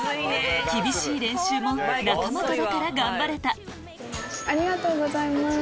厳しい練習も仲間とだから頑張れたありがとうございます。